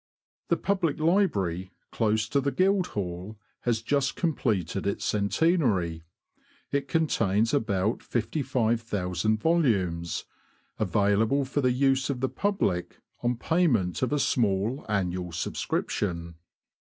The Public Library, close to the Guildhall, has just completed its centenary. It contains about 55,000 volumes, available for the use of the public on pay ment of a small annual subscription.